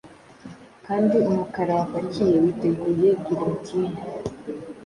Kandi umukara wapakiye witeguye guillotine